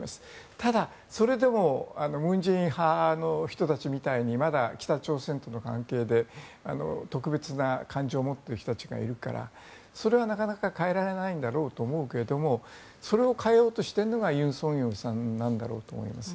ただ、それでも文在寅派の人たちみたいにまだ北朝鮮との関係で特別な感情を持っている人たちがいるからそれはなかなか変えられないんだろうと思うけどそれを変えようとしているのが尹錫悦さんなんだろうと思います。